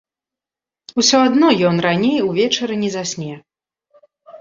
Усё адно ён раней увечары не засне.